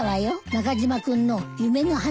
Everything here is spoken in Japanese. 中島君の夢の話。